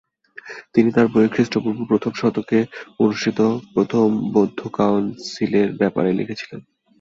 তিনি তার বইয়ে খৃষ্টপূর্ব প্রথম শতকে অনুষ্ঠিত প্রথম বৌদ্ধ কাউন্সিলের ব্যাপারে লিখেছিলেন।